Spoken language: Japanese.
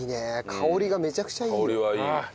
香りがめちゃくちゃいいよ。